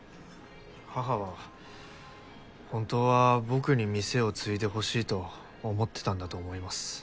母は本当は僕に店を継いでほしいと思ってたんだと思います。